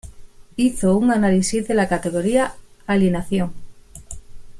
Hizo un análisis de la categoría "alienación".